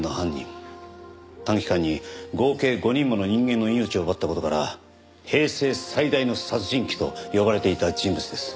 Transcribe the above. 短期間に合計５人もの人間の命を奪った事から「平成最大の殺人鬼」と呼ばれていた人物です。